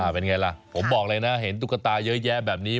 เป็นไงล่ะผมบอกเลยนะเห็นตุ๊กตาเยอะแยะแบบนี้